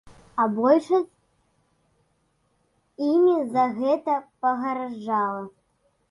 А большасць імі за гэта пагарджала.